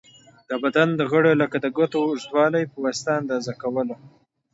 د بدن د غړیو لکه د ګوتو اوږوالی په واسطه اندازه کوله.